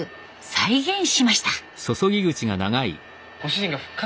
再現しました。